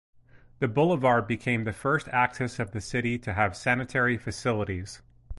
The boulevard became the first axis of the city to have sanitary facilities.